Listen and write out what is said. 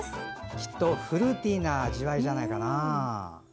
きっとフルーティーな味わいじゃないかな？